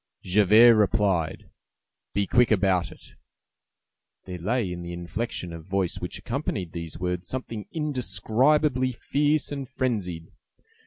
Javert replied:— "Be quick about it!" There lay in the inflection of voice which accompanied these words something indescribably fierce and frenzied.